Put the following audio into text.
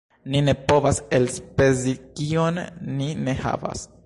Ni ne povas elspezi kion ni ne havas.